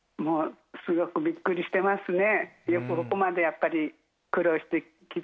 すごくびっくりしてますね。